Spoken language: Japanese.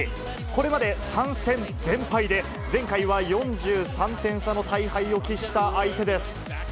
これまで３戦全敗で、前回は４３点差の大敗を喫した相手です。